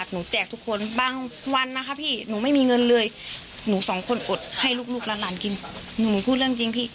หนูพูดเรื่องจริงพี่